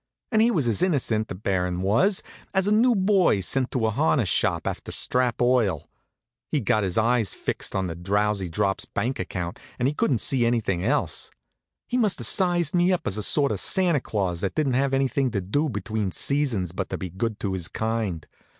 And he was as innocent, the Baron was, as a new boy sent to the harness shop after strap oil. He'd got his eyes fixed on the Drowsy Drops bank account, and he couldn't see anything else. He must have sized me up as a sort of Santa Claus that didn't have anything to do between seasons but to be good to his kind.